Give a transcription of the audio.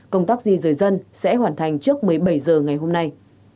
công tác di rời dân sẽ hoàn thành trước một mươi bảy h ngày hôm nay